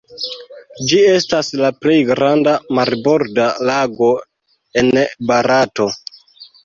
Ĝi estas la plej granda marborda lago en Barato.